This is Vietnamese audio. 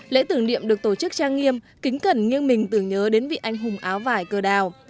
lễ tưởng niệm được tổ chức trang nghiêm kính cẩn nghiêng mình tưởng nhớ đến vị anh hùng áo vải cờ đào